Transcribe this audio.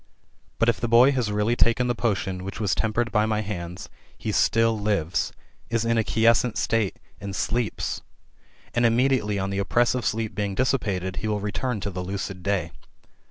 But if the boy has really taken the potion which was tempered by my hands, he still lives, is in a quiescent state, and sleeps ; ^rid immediately on the oppressive sleep being dissipated, he wiU return to the lucid day.